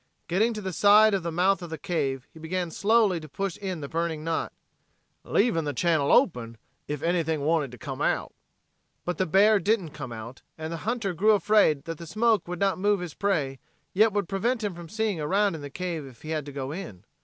Getting to the side of the mouth of the cave he began slowly to push in the burning knot, "leavin' the channel open ef anything wanted to come out." But the bear didn't come out, and the hunter grew afraid that the smoke would not move his prey yet would prevent him seeing around in the cave if he had to go in.